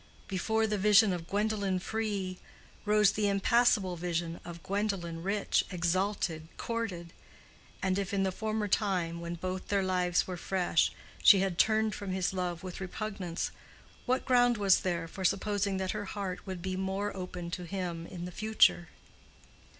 Before the vision of "Gwendolen free" rose the impassable vision of "Gwendolen rich, exalted, courted;" and if in the former time, when both their lives were fresh, she had turned from his love with repugnance, what ground was there for supposing that her heart would be more open to him in the future?